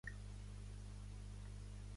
Pertany al moviment independentista la Faina?